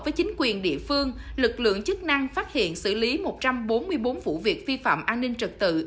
với chính quyền địa phương lực lượng chức năng phát hiện xử lý một trăm bốn mươi bốn vụ việc vi phạm an ninh trật tự